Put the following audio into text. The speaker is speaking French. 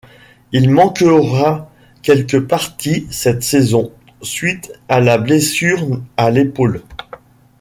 Il manquera quelques parties cette saison, suite à une blessure à l’épaule.